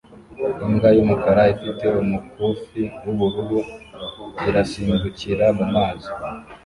Imbwa y'umukara ifite umukufi w'ubururu irasimbukira mu mazi